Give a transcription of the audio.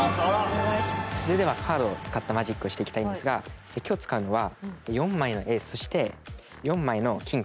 それではカードを使ったマジックをしていきたいんですが今日使うのは４枚のエースそして４枚のキング。